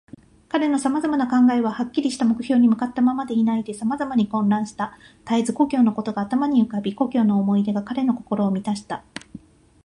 彼のさまざまな考えは、はっきりした目標に向ったままでいないで、さまざまに混乱した。たえず故郷のことが頭に浮かび、故郷の思い出が彼の心をみたした。